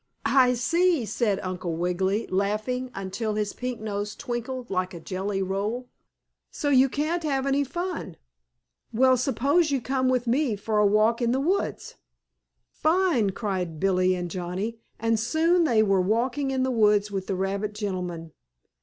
"I see," said Uncle Wiggily, laughing until his pink nose twinkled like a jelly roll. "So you can't have any fun? Well, suppose you come with me for a walk in the woods." "Fine!" cried Billie and Johnnie and soon they were walking in the woods with the rabbit gentleman.